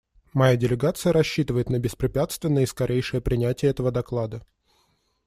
Моя делегация рассчитывает на беспрепятственное и скорейшее принятие этого доклада.